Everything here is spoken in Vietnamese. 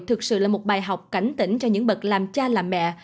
thực sự là một bài học cảnh tỉnh cho những bậc làm cha làm mẹ